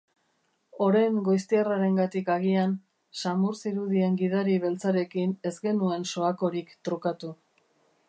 Oren goiztiarrarengatik agian, samur zirudien gidari beltzarekin ez genuen soakorik trukatu.